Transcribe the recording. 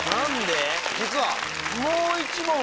実は。